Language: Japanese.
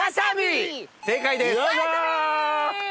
正解です！